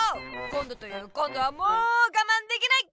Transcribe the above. こんどというこんどはもうがまんできない！